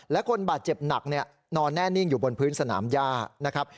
และคนบาดเจ็บหนักนอนแน่นิ่งอยู่บนพื้นสนามย่านะครับ